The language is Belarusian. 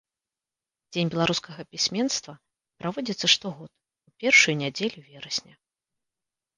Дзень беларускага пісьменства праводзіцца штогод у першую нядзелю верасня.